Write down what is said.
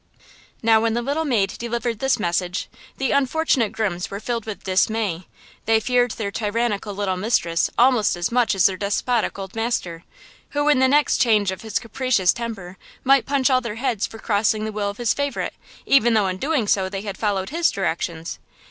Now, when the little maid delivered this message, the unfortunate grooms were filled with dismay–they feared their tyrannical little mistress almost as much as their despotic old master, who, in the next change of his capricious temper, might punch all their heads for crossing the will of his favorite, even though in doing so they had followed his directions.